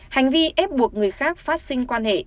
hành vi ép buộc người khác phát sinh quan hệ